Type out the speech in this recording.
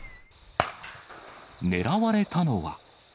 狙われたのは。